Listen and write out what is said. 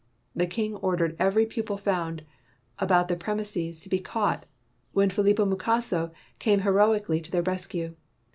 The king ordered every pupil found about the premises to be caught, when Philipo Mukasa came heroic ally to their rescue.